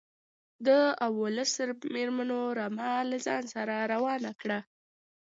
د اوولس مېرمنو رمه له ځان سره روانه کړه.